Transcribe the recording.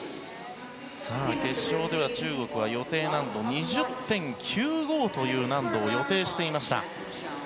決勝では中国は予定難度２０．９５という難度を予定していました。